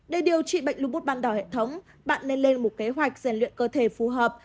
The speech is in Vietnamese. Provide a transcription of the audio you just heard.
để điều trị bệnh lũ bút ban đảo hệ thống bạn nên lên một kế hoạch giàn luyện cơ thể phù hợp